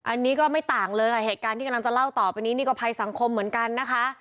อันนี้ก็ไม่ต่างเลยค่ะเหตุการณ์ที่กำลังจะเล่าต่อไปนี้นี่ก็ภัยสังคมเหมือนกันนะคะ